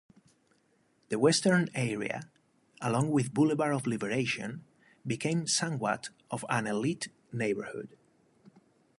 The western area, along the Boulevard of Liberation became somewhat of an elite neighborhood.